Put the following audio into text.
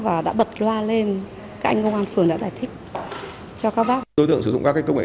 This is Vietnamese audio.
và đã bật loa lên các anh công an phường đã giải thích cho các bác đối tượng sử dụng các công nghệ